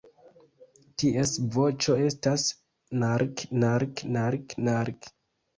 Ties voĉo estas ""nark-nark-nark-nark"".